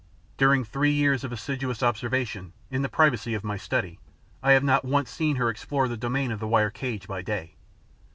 During three years of assiduous observation, in the privacy of my study, I have not once seen her explore the domain of the wire cage by day.